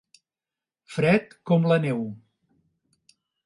Fred com la neu.